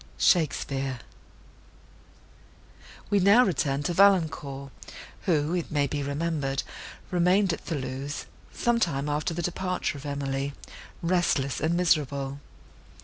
SHAKESPEARE We now return to Valancourt, who, it may be remembered, remained at Thoulouse, some time after the departure of Emily, restless and miserable.